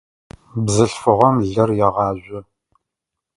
Бзылъфыгъэм лыр егъажъо.